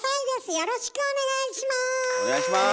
よろしくお願いします。